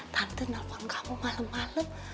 tante nelfon kamu malam malam